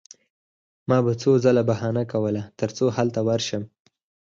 ما به څو ځله بهانه کوله ترڅو هلته ورشم